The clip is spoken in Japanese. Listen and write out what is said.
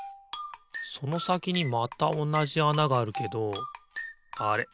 そのさきにまたおなじあながあるけどあれ？